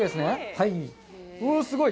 はい。